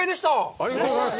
ありがとうございます。